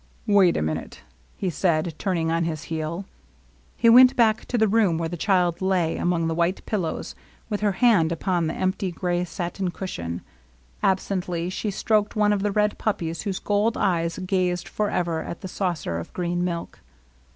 " Wait a minute," he said, turning on his heel. He went back to the room where the child lay among the white pillows, with her hand upon the empty gray satin cushion. Absently she stroked one of the red puppies whose gold eyes gazed for ever at the saucer of green milk.